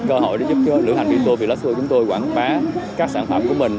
cơ hội để giúp cho lữ hành phi đi tour vlx tour chúng tôi quảng bá các sản phẩm của mình